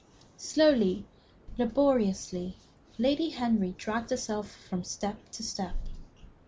Slowly, laboriously, Lady Henry dragged herself from step to step.